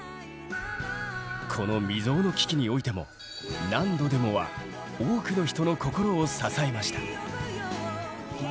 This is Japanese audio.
この未曽有の危機においても「何度でも」は多くの人の心を支えました。